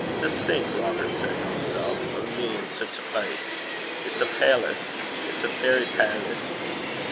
'Just think,' Robert said to himself, 'o' me in sic a place! It's a pailace. It's a fairy pailace.